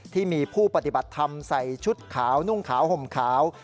ที่มีผู้ปฏิบัติธรรมใส่ชุดขาวนุ่งขาวห่มขาว